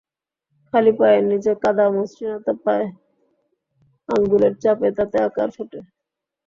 খালি পায়ের নিচে কাদা মসৃণতা পায়, আঙুলের চাপে তাতে আকার ফোটে।